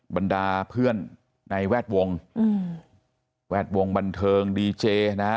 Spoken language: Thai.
บรรดาเพื่อนในแวดวงแวดวงบันเทิงดีเจนะฮะ